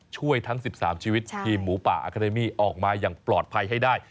ช่วยทั้ง๑๓ชีวิตทีมหมูป่าอาคาเดมี่ออกมาอย่างปลอดภัยให้ได้